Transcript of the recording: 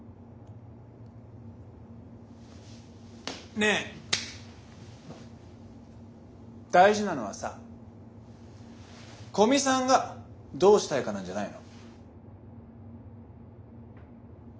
ねぇ大事なのはさ古見さんがどうしたいかなんじゃないの？